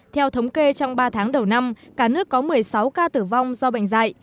theo thống kê trong ba tháng đầu năm cả nước có một mươi sáu ca tử vong do bệnh dạy